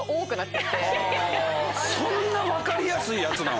そんな分かりやすいヤツなん？